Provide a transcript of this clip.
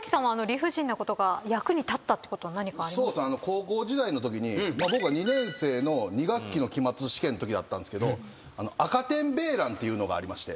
高校時代のときに２年生の２学期の期末試験のときだったんですけど赤点ベーランっていうのがありまして。